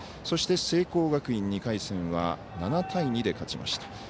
そして聖光学院２回戦は７対２で勝ちました。